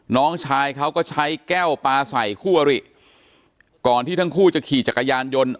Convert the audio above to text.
น้องชายเขาก็ใช้แก้วปลาใส่คู่อริก่อนที่ทั้งคู่จะขี่จักรยานยนต์